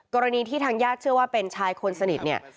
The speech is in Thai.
กรณีที่ทางญาติเชื่อว่าเป็นชายคนสนิทเนี่ย